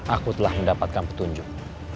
aku telah mendapatkan petunjuk